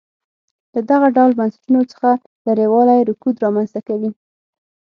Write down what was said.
له دغه ډول بنسټونو څخه لرېوالی رکود رامنځته کوي.